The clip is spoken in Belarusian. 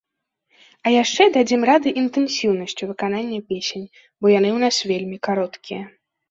А яшчэ дадзім рады інтэнсіўнасцю выканання песень, бо яны ў нас вельмі кароткія.